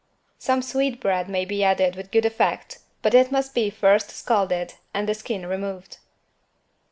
Some sweetbread may be added with good effect, but it must be first scalded and the skin removed.